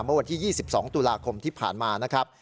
เมื่อวันที่๒๒ตุลาคมที่ผ่านมา